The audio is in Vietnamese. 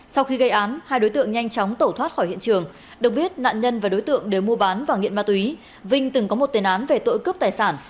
sau khi gây án hai đối tượng nhanh chóng tẩu thoát khỏi hiện trường được biết nạn nhân và đối tượng đều mua bán và nghiện ma túy vinh từng có một tên án về tội cướp tài sản